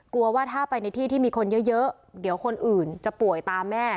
ว่าถ้าไปในที่ที่มีคนเยอะเดี๋ยวคนอื่นจะป่วยตามแม่